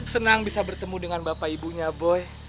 senang bisa bertemu dengan bapak ibunya boy